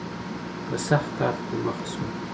که سخت کار ته دې مخه شوه